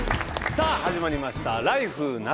さあ始まりました「ＬＩＦＥ！夏」。